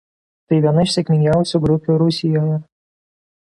Tai viena iš sėkmingiausių grupių Rusijoje.